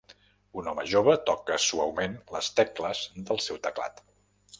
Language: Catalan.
Un home jove toca suaument les tecles del seu teclat.